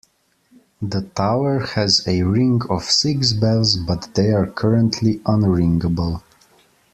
The tower has a ring of six bells but they are currently unringable.